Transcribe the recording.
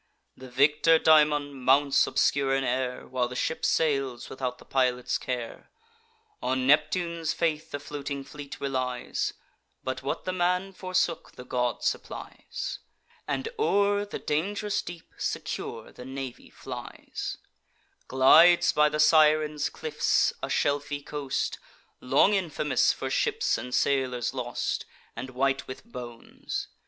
The victor daemon mounts obscure in air, While the ship sails without the pilot's care. On Neptune's faith the floating fleet relies; But what the man forsook, the god supplies, And o'er the dang'rous deep secure the navy flies; Glides by the Sirens' cliffs, a shelfy coast, Long infamous for ships and sailors lost, And white with bones.